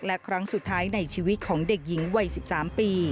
และครั้งสุดท้ายในชีวิตของเด็กหญิงวัย๑๓ปี